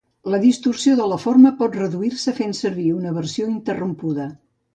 La distorsió de la forma pot reduir-se fent servir una versió interrompuda.